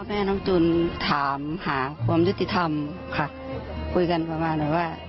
แม่น้องจุนถามหาความยุติธรรมค่ะคุยกันประมาณแบบว่า